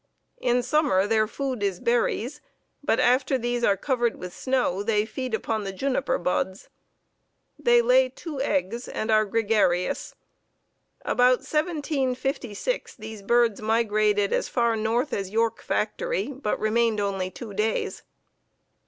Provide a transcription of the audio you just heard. In summer their food is berries, but after these are covered with snow, they feed upon the juniper buds. They lay two eggs and are gregarious. About 1756 these birds migrated as far north as York Factory, but remained only two days."